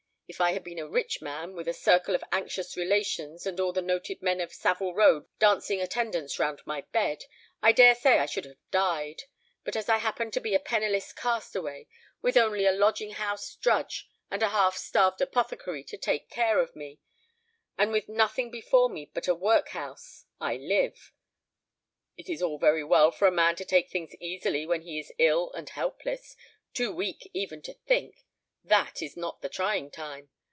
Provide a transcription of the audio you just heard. If I had been a rich man, with a circle of anxious relations and all the noted men of Savile Row dancing attendance round my bed, I dare say I should have died; but as I happen to be a penniless castaway, with only a lodging house drudge and a half starved apothecary to take care of me, and with nothing before me but a workhouse, I live. It is all very well for a man to take things easily when he is ill and helpless, too weak even to think. That is not the trying time.